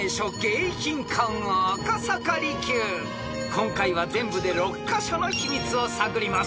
［今回は全部で６カ所の秘密を探ります］